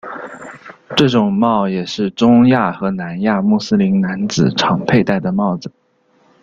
这种帽也是中亚和南亚穆斯林男子常佩戴的帽子。